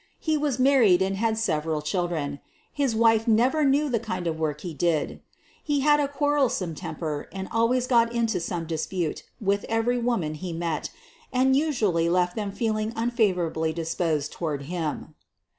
He was married and had several chiJ 28 SOPHIE LYONS dren. His wife never knew the kind of work he did He had a quarrelsome temper, and ahrays got into some dispute with every woman he met., and usually left them feeling unfavorably disposed toward him.